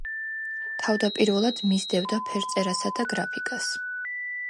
თავდაპირველად მისდევდა ფერწერასა და გრაფიკას.